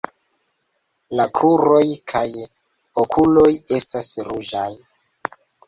La kruroj kaj okuloj estas ruĝaj.